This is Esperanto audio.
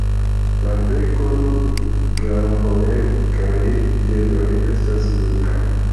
La beko, gamboj kaj piedoj estas nigraj.